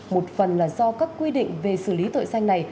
một phần là do các quy định về xử lý tội danh này